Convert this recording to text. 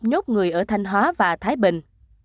nhốt người ở thanh hóa và thái bình